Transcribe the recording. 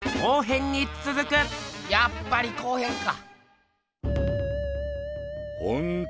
やっぱり後編か。